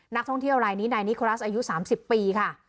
นักท่องเที่ยวรายนี้นายนิโคลาสอายุสามสิบปีค่ะ